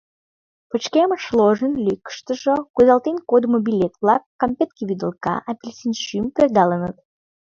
Пычкемыш ложын лукыштыжо кудалтен кодымо билет-влак, кампетке вӱдылка, апельсин шӱм пӧрдалыныт.